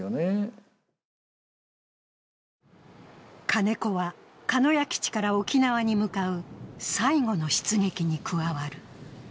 金子は鹿屋基地から沖縄に向かう最後の出撃に加わる。